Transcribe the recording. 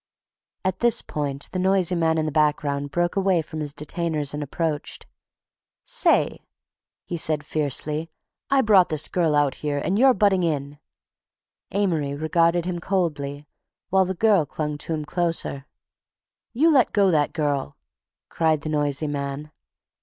At this point the noisy man in the background broke away from his detainers and approached. "Say!" he said fiercely. "I brought this girl out here and you're butting in!" Amory regarded him coldly, while the girl clung to him closer. "You let go that girl!" cried the noisy man.